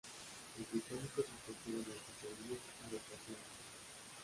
Los británicos escogieron al que sería y lo trajeron al país.